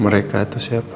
mereka itu siapa